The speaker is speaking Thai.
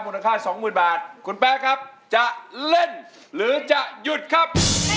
ค่าสองหมื่นบาทคุณแป๊ะครับจะเล่นหรือจะหยุดครับ